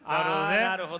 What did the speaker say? なるほど。